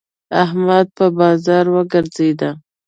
احمد په بازار وګرځېد.